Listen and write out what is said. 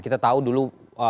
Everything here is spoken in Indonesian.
kita tahu dulu